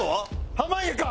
濱家か。